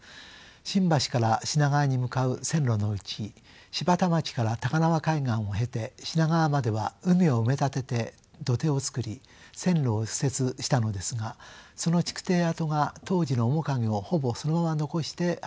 新橋から品川に向かう線路のうち芝田町から高輪海岸を経て品川までは海を埋め立てて土手を作り線路を敷設したのですがその築堤跡が当時の面影をほぼそのまま残して発掘されたのです。